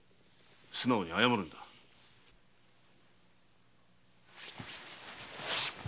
素直に謝るんだな。